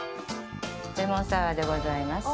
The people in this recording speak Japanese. レモンサワーでございます。